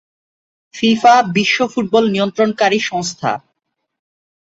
FIFA বিশ্ব football নিয়ন্ত্রণকারী সংস্থা।